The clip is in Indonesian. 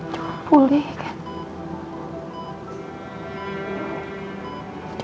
coba pulih kate